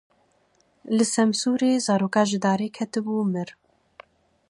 Li Semsûrê zaroka ji darê ketibû, mir.